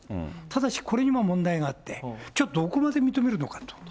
ただしこれにも問題があって、じゃあどこまで認めるのかと。